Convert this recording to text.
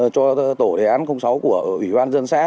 cho tổ đề án sáu của ủy ban dân xã